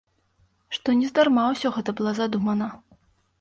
Што нездарма ўсё гэта было задумана.